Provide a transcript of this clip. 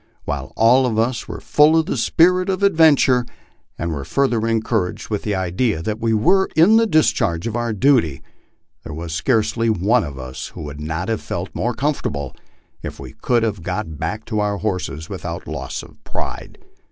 While all of us were full of the spirit of adventure, and were further encouraged with the idea that we were in the discharge of our duty, there was scarcely one of us who would not have felt more comfortable if we could have got back to our horses without loss of pride.